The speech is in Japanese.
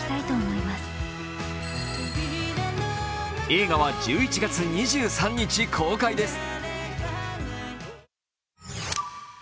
映画は１１月２３日公開です。